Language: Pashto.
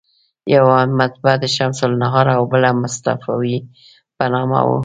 یوه مطبعه د شمس النهار او بله مصطفاوي په نامه وه.